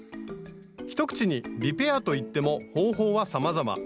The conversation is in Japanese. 一口にリペアと言っても方法はさまざま。